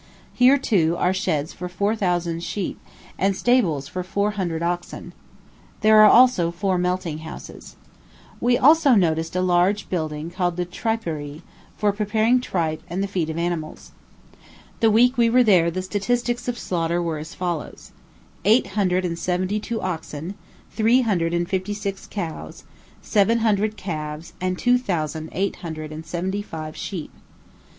Here, too, are sheds for four thousand sheep, and stables for four hundred oxen. There are also four melting houses. We also noticed a large building called the Triperie, for preparing tripe and the feet of animals. The week we were there the statistics of slaughter were as follows: Eight hundred and seventy two oxen, three hundred and fifty six cows, seven hundred calves, and two thousand eight hundred and seventy five sheep.